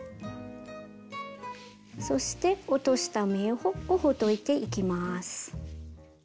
そして落とした目をほどいていきます。